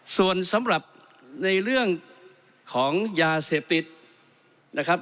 ส่วนสำหรับในเรื่องของยาเสพติดนะครับ